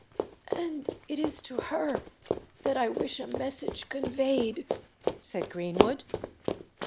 "And it is to her that I wish a message conveyed," said Greenwood.